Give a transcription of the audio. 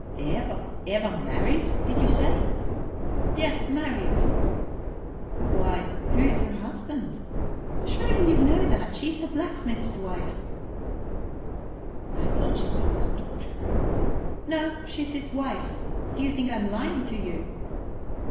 "Eva! Eva married, did you say?" "Yes, married!" "Why, who is her husband?" "Surely you know that. She is the blacksmith's wife." "I thought she was his daughter." "No, she is his wife. Do you think I am lying to you?"